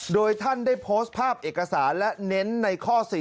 โดยท่านได้โพสต์ภาพเอกสารและเน้นในข้อ๔